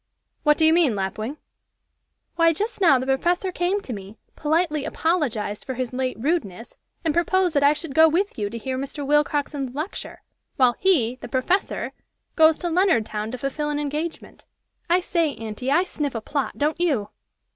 "What do you mean, Lapwing?" "Why, just now the professor came to me, politely apologized for his late rudeness, and proposed that I should go with you to hear Mr. Willcoxen's lecture, while he, the professor, goes to Leonardtown to fulfill an engagement. I say, aunty, I sniff a plot, don't you?"